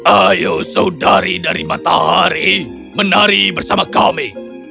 ayo saudari dari matahari menari bersama kami